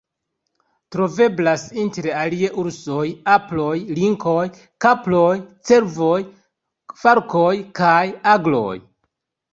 Troveblas inter alie ursoj, aproj, linkoj, kaproj, cervoj, falkoj kaj agloj.